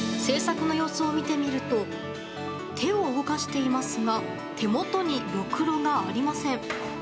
制作の様子を見てみると手を動かしていますが手元に、ろくろがありません。